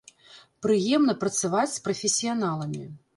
Прыемна працаваць з прафесіяналамі!